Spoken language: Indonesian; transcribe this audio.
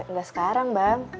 nggak sekarang bang